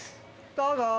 どうぞ。